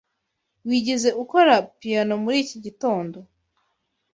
Wigeze ukora piyano muri iki gitondo?